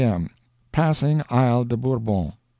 M. Passing Isle de Bourbon.